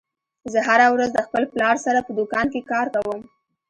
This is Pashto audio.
زه هره ورځ د خپل پلار سره په دوکان کې کار کوم